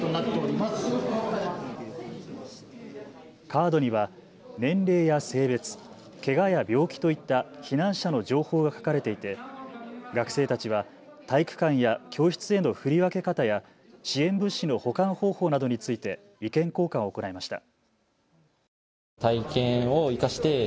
カードには年齢や性別、けがや病気といった避難者の情報が書かれていて学生たちは体育館や教室への振り分け方や支援物資の保管方法などについて意見交換を行いました。